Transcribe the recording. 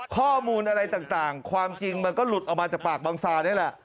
ข้อมูลอะไรต่างความจริงมันก็หลุดออกมาจากปากบังซานี่แหละ